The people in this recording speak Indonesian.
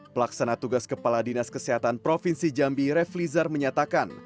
pelaksana tugas kepala dinas kesehatan provinsi jambi refli zar menyatakan